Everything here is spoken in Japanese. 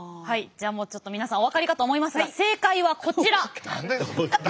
はいじゃあもうちょっと皆さんお分かりかと思いますが正解はこちら。